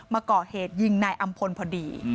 มาก่อเหตุยิงนายอำพลพอดี